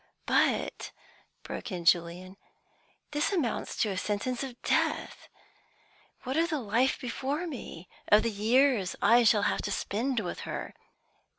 "But," broke in Julian, "this amounts to a sentence of death! What of the life before me, of the years I shall have to spend with her?